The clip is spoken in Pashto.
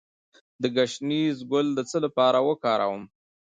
د ګشنیز ګل د څه لپاره وکاروم؟